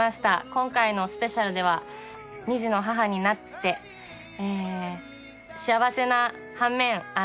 今回のスペシャルでは２児の母になって幸せな半面